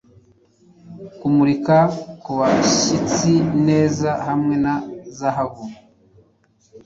Kumurika kubashyitsi neza hamwe na zahabu